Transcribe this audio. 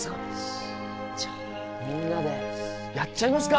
じゃあみんなでやっちゃいますか？